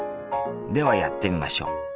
ではやってみましょう。